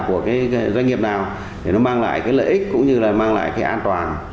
của doanh nghiệp nào để mang lại lợi ích cũng như mang lại an toàn